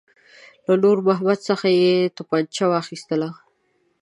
له نور محمد څخه یې توپنچه واخیستله.